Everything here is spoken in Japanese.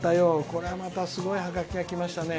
これまたすごいハガキがきました。